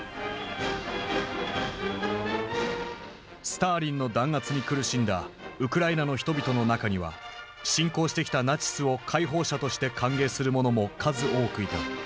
スターリンの弾圧に苦しんだウクライナの人々の中には侵攻してきたナチスを解放者として歓迎する者も数多くいた。